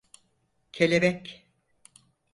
Kelebek…